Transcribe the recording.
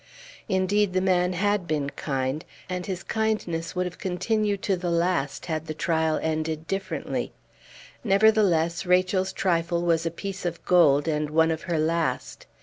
Indeed, the man had been kind, and his kindness would have continued to the last had the trial ended differently. Nevertheless, Rachel's trifle was a piece of gold, and one of her last.